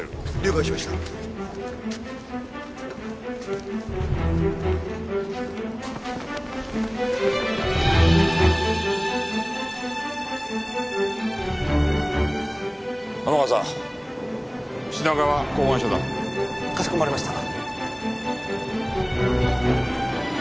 かしこまりました。